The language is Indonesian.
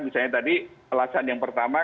misalnya tadi alasan yang pertama